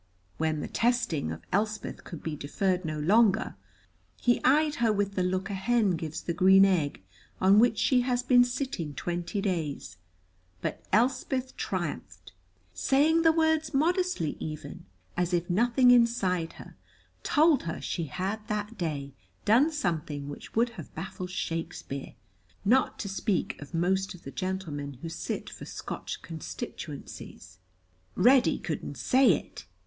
When the testing of Elspeth could be deferred no longer, he eyed her with the look a hen gives the green egg on which she has been sitting twenty days, but Elspeth triumphed, saying the words modestly even, as if nothing inside her told her she had that day done something which would have baffled Shakespeare, not to speak of most of the gentlemen who sit for Scotch constituencies. "Reddy couldn't say it!"